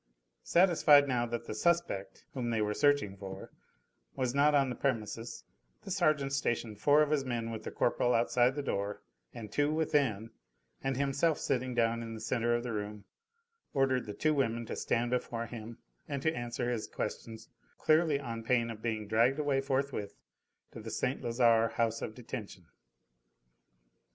Satisfied now that the "suspect" whom they were searching for was not on the premises, the sergeant stationed four of his men with the corporal outside the door, and two within, and himself sitting down in the centre of the room ordered the two women to stand before him and to answer his questions clearly on pain of being dragged away forthwith to the St. Lazare house of detention.